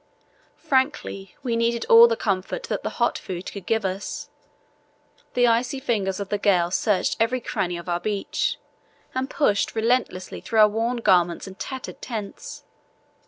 Frankly, we needed all the comfort that the hot food could give us. The icy fingers of the gale searched every cranny of our beach and pushed relentlessly through our worn garments and tattered tents.